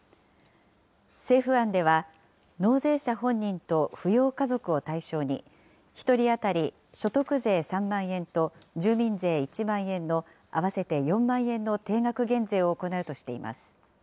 政府案では、納税者本人と扶養家族を対象に、１人当たり所得税３万円と住民税１万円の合わせて４万円の定額減税を行うとしています。